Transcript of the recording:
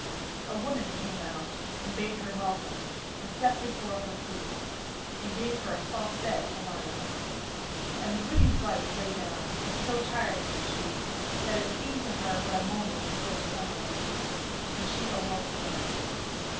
A woman came out, and bade her welcome, and set before her food, and gave her a soft bed to lie on. And the hoodie's wife lay down, and so tired was she, that it seemed to her but a moment before the sun rose, and she awoke again.